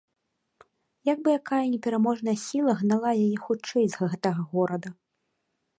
Як бы якая непераможная сіла гнала яе хутчэй з гэтага горада.